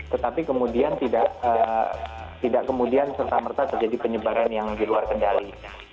tetapi kemudian tidak kemudian serta merta terjadi penyebaran yang di luar kendali